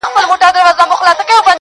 پاگل لگیا دی نن و ټول محل ته رنگ ورکوي.